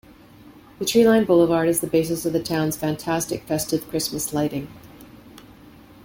The tree-lined boulevard is the basis of the towns fantastic festive Christmas lighting.